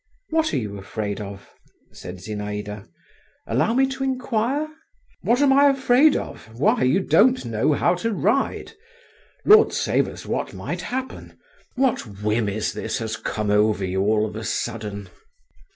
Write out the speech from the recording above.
"What are you afraid of?" said Zinaïda; "allow me to inquire?" "What am I afraid of? Why, you don't know how to ride. Lord save us, what might happen! What whim is this has come over you all of a sudden?"